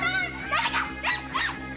誰か！